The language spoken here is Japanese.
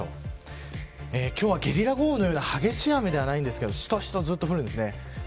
今日はゲリラ豪雨のような激しい雨ではありませんがしとしとと、ずっと降ります。